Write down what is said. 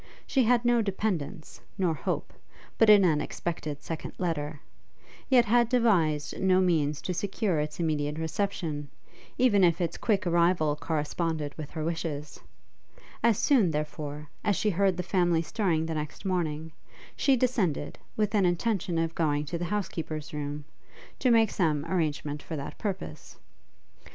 She had no dependence, nor hope, but in an expected second letter, yet had devised no means to secure its immediate reception, even if its quick arrival corresponded with her wishes. As soon, therefore, as she heard the family stirring the next morning, she descended, with an intention of going to the housekeeper's room, to make some arrangement for that purpose.